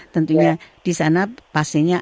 tentunya di sana pastinya